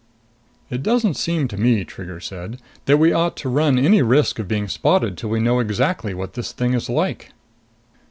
"It doesn't seem to me," Trigger said, "that we ought to run any risk of being spotted till we know exactly what this thing is like."